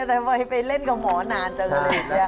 ทำไมไปเล่นกับหมอนานจังเลย